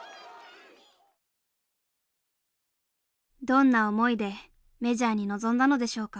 どんな思いでメジャーに臨んだのでしょうか。